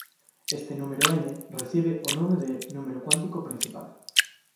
Este número "n" recibe o nome de número cuántico principal.